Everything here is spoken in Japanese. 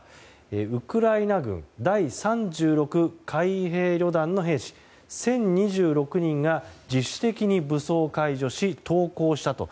ウクライナ軍第３６海兵旅団の兵士１０２６人が自主的に武装解除し投降したと。